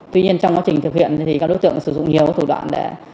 tuy nhiên trong quá trình thực hiện thì các đối tượng sử dụng nhiều thủ đoạn để